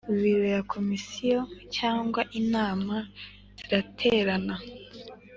Biro ya Komisiyo cyangwa Inama ziraterana